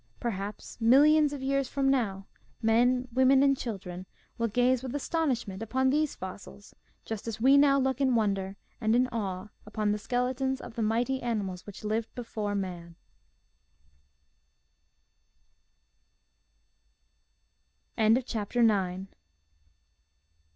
Perhaps, millions of years from now, men, women, and children will gaze with astonishment upon these fossils, just as we now look in wonder and in awe upon the skeletons of the mighty animals which lived before man.